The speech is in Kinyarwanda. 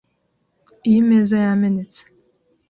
Iyi meza yamenetse .